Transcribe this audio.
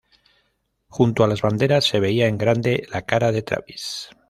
Junto a las banderas se veía en grande la cara de Travis.